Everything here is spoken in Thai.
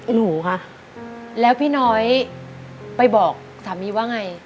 หนูค่ะแล้วพี่น้อยไปบอกสามีว่าไง